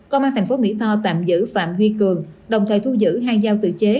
công an tp mỹ tho tạm giữ phạm huy cường đồng thời thu giữ hai dao tự chế